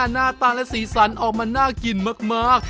หน้าตาและสีสันออกมาน่ากินมาก